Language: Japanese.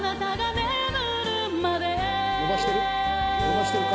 伸ばしてる？